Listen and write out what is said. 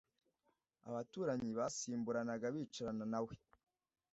Abaturanyi basimburanaga bicarana na we.